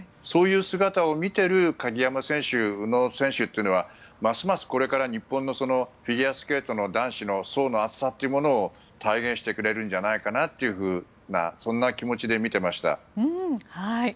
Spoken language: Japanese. そういう姿を見ている鍵山選手、宇野選手というのはますますこれから日本のフィギュアスケート男子の層の厚さというものを体現してくれるんじゃないかなというような気持ちで見ていました。